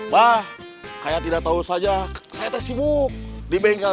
bang kayak tidak tahu saja saya sibuk di bengkel